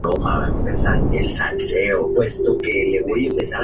Su silueta recuerda el pasado glorioso de un lugar privilegiado.